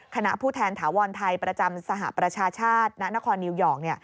คณะผู้แทนถาวรไทยประจำสหประชาชาติณนครนิวยอร์ก